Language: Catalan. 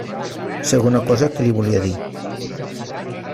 Segona cosa que li volia dir.